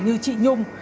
như chị nhung